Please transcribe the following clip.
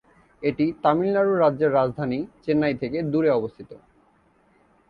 এটি তামিলনাড়ু রাজ্যের রাজধানী চেন্নাই থেকে দুরে অবস্থিত।